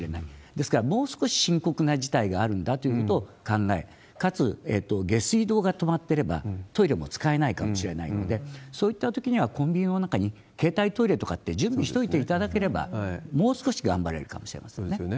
ですから、もう少し深刻な事態があるんだということを考え、かつ、下水道が止まってればトイレも使えないかもしれないので、そういったときにはコンビニの中に携帯トイレとかって準備しといていただければ、もう少し頑張れるかもしれませんね。